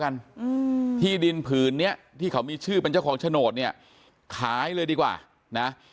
ในดินผื่นนี้ที่เขามีชื่อเป็นเจ้าของเฉินตรกเนี่ยขายเลยดีกว่านะ